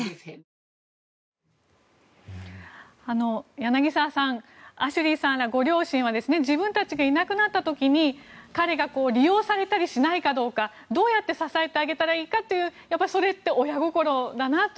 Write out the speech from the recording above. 柳澤さんアシュリーさんやご両親は自分たちがいなくなった時に彼が利用されたりしないかどうかどうやって支えてあげたらいいかというそれって親心だなと。